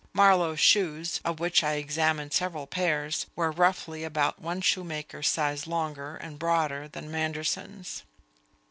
Marlowe's shoes (of which I examined several pairs) were roughly about one shoemaker's size longer and broader than Manderson's.